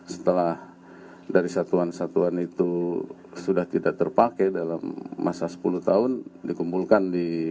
setelah dari satuan satuan itu sudah tidak terpakai dalam masa sepuluh tahun dikumpulkan di